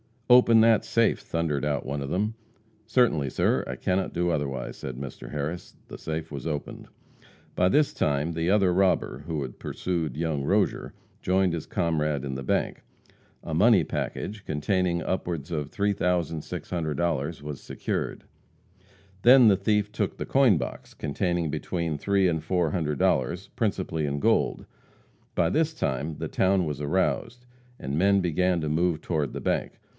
"Open that safe!" thundered out one of them. "Certainly, sir. I cannot do otherwise," said Mr. Harris. The safe was opened. By this time the other robber, who had pursued young Rozier, joined his comrade in the bank. A money package, containing upwards of $3,600, was secured. Then the thief took the coin box, containing between three and four hundred dollars, principally in gold. By this time the town was aroused, and men began to move toward the bank.